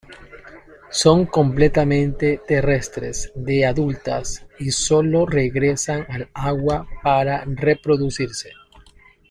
Son completamente terrestres de adultas y sólo regresan al agua para reproducirse.